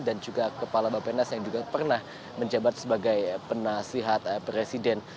dan juga kepala bapak penas yang juga pernah menjabat sebagai penasihat presiden